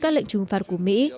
các lệnh trừng phạt của mỹ